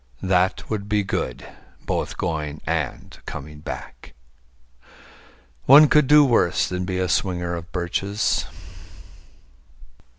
That would be good both going and coming back. One could do worse than be a swinger of birches.